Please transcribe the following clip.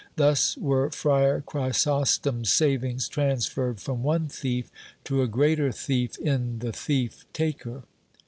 Thus were friar Chrysostom's savings transferred from one thief to a greater thief in the thief taker.